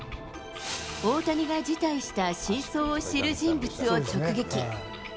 大谷が辞退した真相を知る人物を直撃。